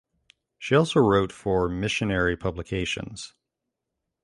She also wrote for missionary publications.